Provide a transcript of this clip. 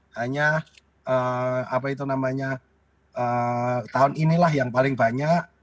hanya apa itu namanya tahun inilah yang paling banyak